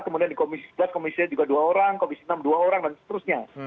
kemudian di komisi sebelas komisinya juga dua orang komisi enam dua orang dan seterusnya